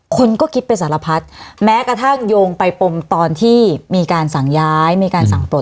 คนก็คิดเป็นสารพัดแม้กระทั่งโยงไปปมตอนที่มีการสั่งย้ายมีการสั่งปลด